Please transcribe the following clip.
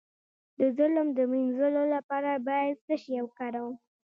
د ظلم د مینځلو لپاره باید څه شی وکاروم؟